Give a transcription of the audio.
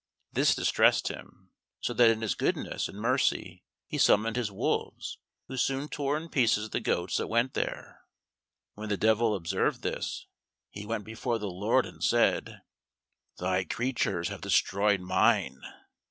This distressed him, so that in his goodness and mercy he summoned his wolves, who soon tore in pieces the goats that went there. When the devil observed this, he went before the Lord and said, "Thy creatures have destroyed mine."